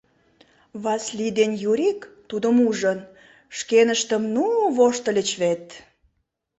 Васлий ден Юрик, тудым ужын, шкеныштым ну воштыльыч вет...